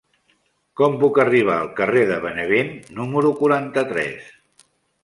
Com puc arribar al carrer de Benevent número quaranta-tres?